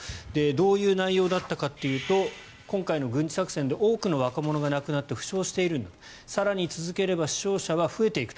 どういう内容だったかというと今回の軍事作戦で多くの若者が亡くなって負傷しているんだ更に続ければ負傷者は増えていく。